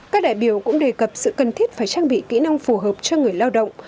các đại biểu cũng đề cập sự cần thiết phải trang bị kỹ năng phù hợp cho người lao động